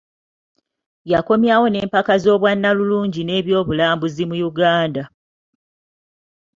Yakomyawo n'empaka z'obwannalulungi n'ebyobulambuzi mu Uganda